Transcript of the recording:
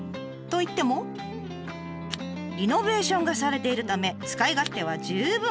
といってもリノベーションがされているため使い勝手は十分。